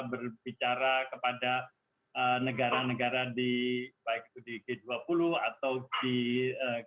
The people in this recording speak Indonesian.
berbicara kepada negara negara di baik itu di g dua puluh atau di gerakan nonblok jadi betul konstitusi kita yang